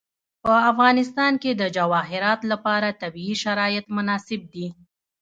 په افغانستان کې د جواهرات لپاره طبیعي شرایط مناسب دي.